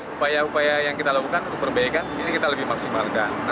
upaya upaya yang kita lakukan untuk perbaikan ini kita lebih maksimalkan